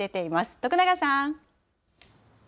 徳永さん。